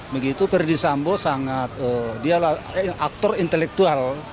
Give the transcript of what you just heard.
begitu perdisambo sangat dia aktor intelektual